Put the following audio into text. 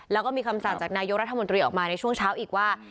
แล้วก็มีคำสั่งจากนายกรัฐมนตรีออกมาในช่วงเช้าอีกว่า